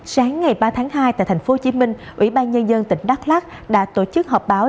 sáng ngày ba tháng hai tại tp hcm ủy ban nhân dân tỉnh đắk lắc đã tổ chức họp báo